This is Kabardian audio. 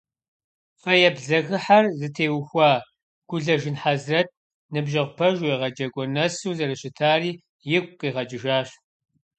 Фэеплъ зэхыхьэр зытеухуа Гулэжын Хьэзрэт ныбжьэгъу пэжу, егъэджакӏуэ нэсу зэрыщытари игу къигъэкӏыжащ.